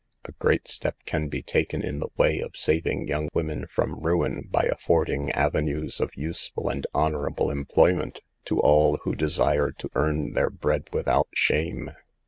A great step can be taken in the way of saving young women from ruin, by affording avenues of useful and honorable employment to all who desire to earn their bread without shame.